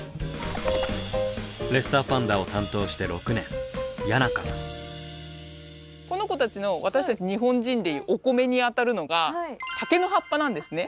レッサーパンダを担当して６年この子たちの私たち日本人で言うお米にあたるのが竹の葉っぱなんですね。